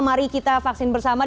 mari kita vaksin bersama